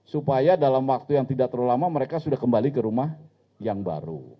supaya dalam waktu yang tidak terlalu lama mereka sudah kembali ke rumah yang baru